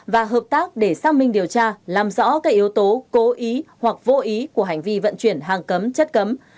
và hợp tác để xác minh điều tra làm rõ các yếu tố cố ý hoặc vô ý của hành vi vận chuyển hàng cấm chất cấm